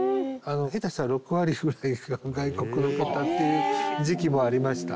下手したら６割ぐらいが外国の方っていう時期もありました。